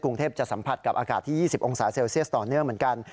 กรุงเทพจะสัมผัสกับอากาศที่๒๐องศาเซลเซียสต่อเนื่องเหมือนกัน